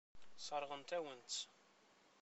Sseṛɣent-awen-tt.